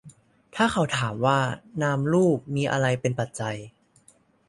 ถ้าเขาถามว่า นามรูปมีอะไรเป็นปัจจัย